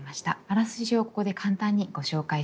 あらすじをここで簡単にご紹介します。